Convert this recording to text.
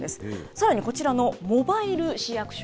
さらにこちらのモバイル市役所。